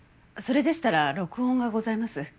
それでしたら録音がございます。